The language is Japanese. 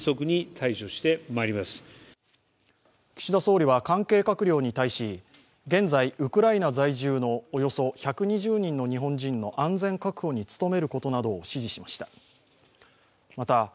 岸田総理は関係閣僚に対し現在、ウクライナ在住のおよそ１２０人の日本人の安全確保に努めることなどを指示しました。